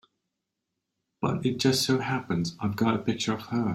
But it just so happens I've got a picture of her.